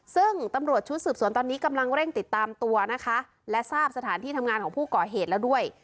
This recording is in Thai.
ซึ่งตำรวจชุดสืบสวนตอนนี้กำลังเร่งติดตามตัวนะคะและทราบสถานที่ทำงานของผู้ก่อเหตุแล้วด้วย